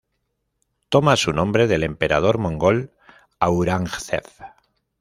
Toma su nombre del emperador mogol Aurangzeb.